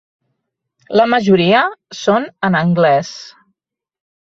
La majoria són en anglès.